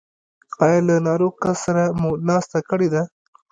ایا له ناروغ کس سره مو ناسته کړې ده؟